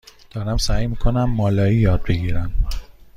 دارم سعی می کنم مالایی یاد بگیرم.